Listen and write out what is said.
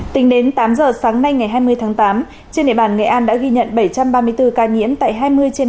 tính đến tám giờ sáng nay ngày hai mươi tháng tám trên địa bàn nghệ an đã ghi nhận bảy trăm ba mươi bốn ca nhiễm tại hai mươi trên